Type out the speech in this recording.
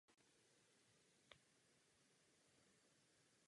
Slavnostní start proběhl v Aucklandu.